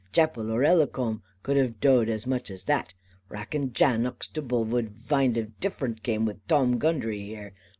Chappell or Ellicombe cud have doed as much as that. Rackon Jan Uxtable wud vind a different game with Tom Gundry here.